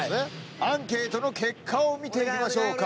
アンケートの結果を見ていきましょうか。